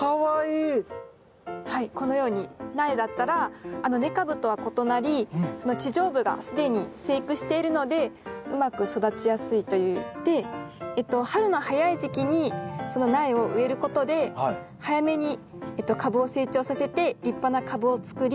このように苗だったら根株とは異なりその地上部が既に生育しているのでうまく育ちやすいという。で春の早い時期にその苗を植えることで早めに株を成長させて立派な株を作り